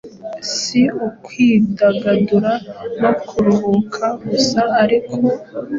Si ukwidagadura no kuruhuka gusa ariko,